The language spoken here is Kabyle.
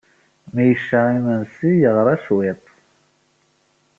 Mi yecca imensi, yeɣra cwiṭ.